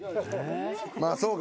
まあそうか。